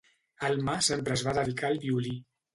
Alma sempre es va dedicar al violí.